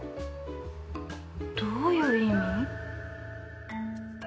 どういう意味？